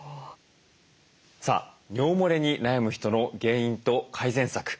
さあ尿もれに悩む人の原因と改善策。